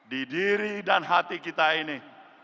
di diri dan hati kita ini